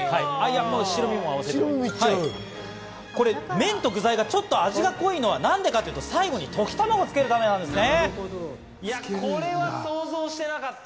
麺と具材がちょっと味が濃いのは何でかというと最後に溶き卵をつけるためなんですね。